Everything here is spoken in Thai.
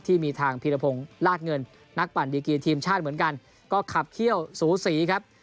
ที่มีทางพีรพงศ์ลาดเงินนักปั่นดีกีทีมชาติเหมือนกันก็ขับเขี้ยวสูสีครับ